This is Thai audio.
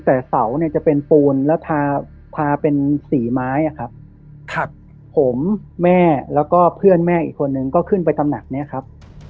แต่เสาเนี่ยจะเป็นปูนแล้วทาเป็นสีไม้อะครับผมแม่แล้วก็เพื่อนแม่อีกคนนึงก็ขึ้นไปตำหนักเนี่ยครับ